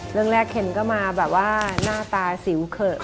เรื่องแรกเคนก็มาแบบว่าหน้าตาสิวเขิบ